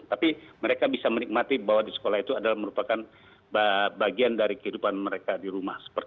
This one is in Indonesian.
tapi mereka bisa menikmati bahwa di sekolah itu adalah merupakan bagian dari kehidupan mereka di rumah